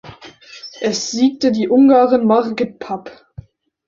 Es siegte die Ungarin Margit Papp.